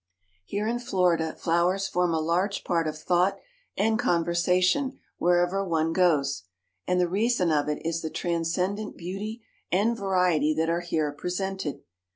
Here in Florida, flowers form a large item of thought and conversation wherever one goes; and the reason of it is the transcendent beauty and variety that are here presented.